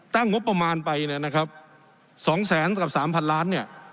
ตั้งงบประมาณไปเนี่ยนะครับ๒แสนกับสามพันล้านเนี่ย